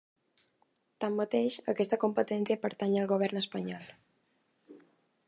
Tanmateix, aquesta competència pertany al govern espanyol.